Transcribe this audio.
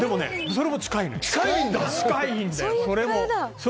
それも意外と近いのよ。